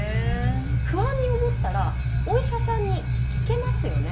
不安に思ったらお医者さんに聞けますよね。